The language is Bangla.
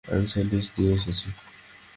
আমি স্যান্ডউইচ নিয়ে এসেছি।